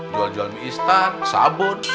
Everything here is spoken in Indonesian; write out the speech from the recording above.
jual jual mie instan sabun